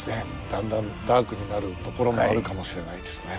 だんだんダークになるところもあるかもしれないですね。